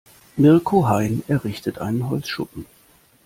Mirko Hein errichtet einen Holzschuppen.